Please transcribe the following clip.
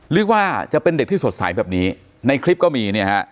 หรือว่าจะเป็นเด็กที่สดใสแบบนี้ในคลิปก็มีเนี่ยฮะ